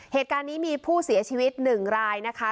เหตุการณ์นี้มีผู้เสียชีวิต๑รายนะคะ